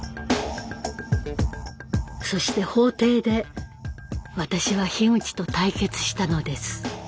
そして法廷で私は樋口と対決したのです。